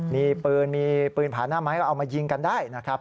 มีปืนมีปืนผ่านหน้าไม้ก็เอามายิงกันได้นะครับ